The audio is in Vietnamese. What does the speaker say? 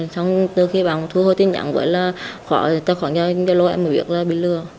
xong từ khi bà thu hồi tin nhắn với là khoản gia lô em mới biết là bị lừa